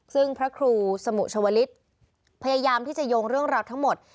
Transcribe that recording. ซึ่งพระครูสมุชวลิศพยายามที่จะโยงเรื่องราวทั้งหมด